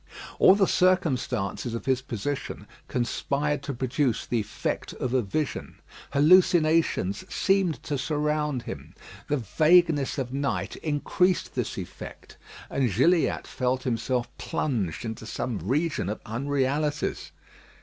All the circumstances of his position conspired to produce the effect of a vision. Hallucinations seemed to surround him. The vagueness of night increased this effect; and Gilliatt felt himself plunged into some region of unrealities.